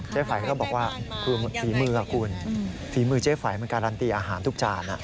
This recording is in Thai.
เจ๊ไฝก็บอกว่าฝีมือเจ๊ไฝมันการันตีอาหารทุกจาน